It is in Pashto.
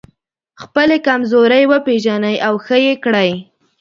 خپلې کمزورۍ وپېژنئ او ښه يې کړئ.